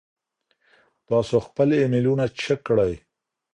تاسو خپل ایمیلونه چیک کړئ.